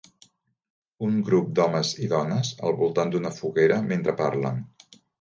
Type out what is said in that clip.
Un grup d"homes i dones al voltant d"una foguera mentre parlen.